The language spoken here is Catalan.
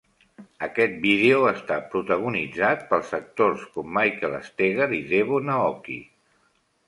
Aquest vídeo està protagonitzat pels actors com Michael Steger i Devon Aoki.